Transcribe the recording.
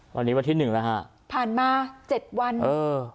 วันนี้วันที่หนึ่งแล้วฮะผ่านมาเจ็ดวันเออ